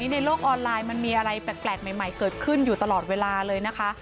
ในโลกออนไลน์มันมีอะไรแปลกใหม่เกิดขึ้นอยู่ตลอดเวลาเลยนะคะ